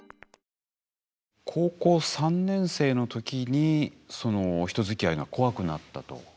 高校３年生の時にその人づきあいが怖くなったと。